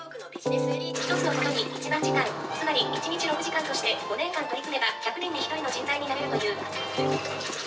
「ひとつのことに１万時間つまり一日６時間として５年間取り組めば１００年にひとりの人材になれるという」。